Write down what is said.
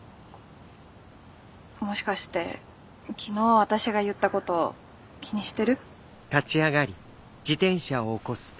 もしかして昨日私が言ったこと気にしてる？